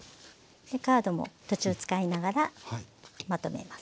カードも途中使いながらまとめます。